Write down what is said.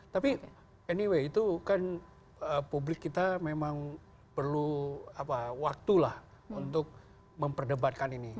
tapi anyway itu kan publik kita memang perlu waktu lah untuk memperdebatkan ini